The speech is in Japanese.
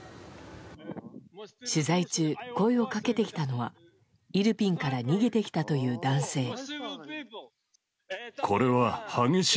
取材中、声をかけてきたのはイルピンから逃げてきたという男性。